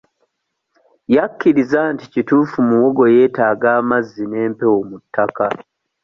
Yakkirizza nti kituufu muwogo yeetaaga amazzi n'empewo mu ttaka.